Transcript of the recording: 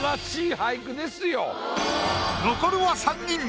残るは三人！